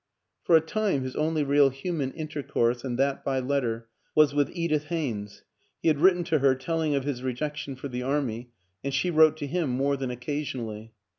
For a time his only real human intercourse, and that by letter, was with Edith Haynes; he had written to her telling of his rejection for the Army and she wrote to him more than occasionally.